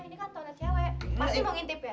mas ini kan tonel cewek masih mau ngintip ya